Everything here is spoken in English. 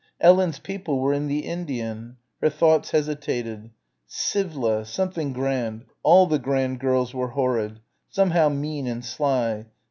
Ellen's people were in the Indian ... her thoughts hesitated.... Sivvle ... something grand All the grand girls were horrid ... somehow mean and sly